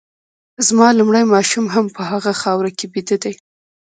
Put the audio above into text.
زما لومړی ماشوم هم په هغه خاوره کي بیده دی